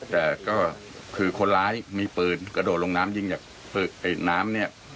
แต่ก็คือคนร้ายมีปืนกระโดดลงน้ำยิงจากน้ำเนี่ย